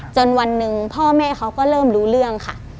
จนวันหนึ่งพ่อแม่เขาก็เริ่มรู้เรื่องค่ะ